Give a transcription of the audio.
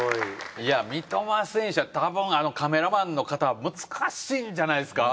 いや三笘選手はたぶんカメラマンの方難しいんじゃないですか？